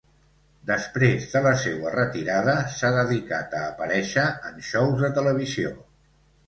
Després de la seua retirada, s'ha dedicat a aparèixer en xous de televisió.